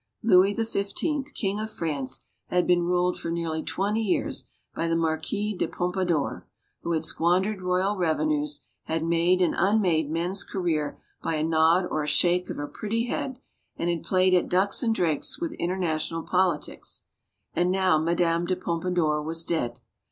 Louis XV., King of France, had been ruled for nearly twenty years by the Marquise de Pompadour, who had squandered royal revenues, had made and unmade men's career by a nod or a shake of her pretty head, and had played at ducks and drakes with inter national politics. And now Madame de Pompadour was dead.